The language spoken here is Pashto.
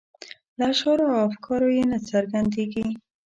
له اشعارو او افکارو یې نه څرګندیږي.